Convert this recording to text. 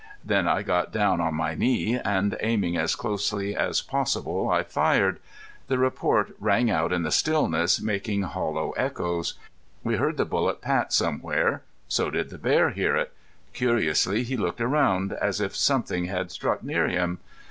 Then I got down on my knee, and aiming as closely as possible I fired. The report rang out in the stillness, making hollow echoes. We heard the bullet pat somewhere. So did the bear hear it. Curiously he looked around, as if something had struck near him.